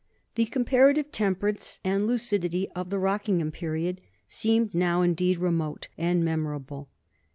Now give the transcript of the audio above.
The comparative temperance and lucidity of the Rockingham period seemed now indeed remote and memorable.